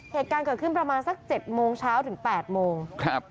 เหตุการณ์เกิดขึ้นประมาณสัก๗โมงเช้าถึง๘โมงครับ